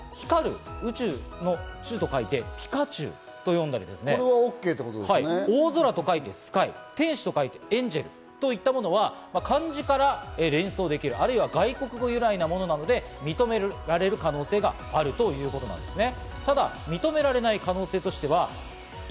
「光る宇宙」と書いて「ぴかちゅう」と読んだりですとか、「大空」と書いて「すかい」、「天使」と書いて「えんじぇる」といったものは漢字から連想できる、あるいは外国語由来のものなので認められる可能性があるということなんですね。